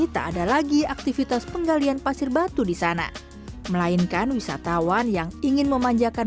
tak ada lagi aktivitas penggalian pasir batu di sana melainkan wisatawan yang ingin memanjakan